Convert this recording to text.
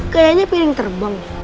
kayaknya piring terbang